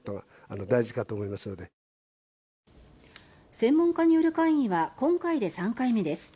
専門家による会議は今回で３回目です。